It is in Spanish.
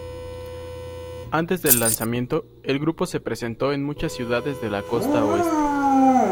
Antes del lanzamiento, el grupo se presentó en muchas ciudades de la costa oeste.